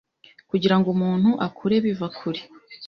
Kugirango umuntu akure biva kure,